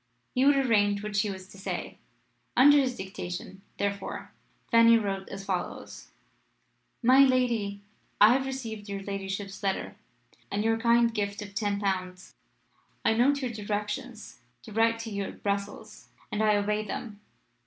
He would arrange what she was to say. Under his dictation, therefore, Fanny wrote as follows: "My Lady, I have received your ladyship's letter, and your kind gift of ten pounds. I note your directions to write to you at Brussels, and I obey them.